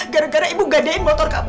gara gara ibu gakdain motor kamu